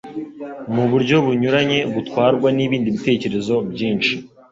muburyo bunyuranye butwarwa nibindi bitekerezo byinshi